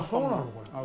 これ。